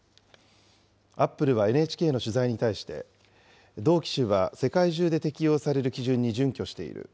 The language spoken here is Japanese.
アップルはＮＨＫの取材に対して、同機種は世界中で適用される基準に準拠している。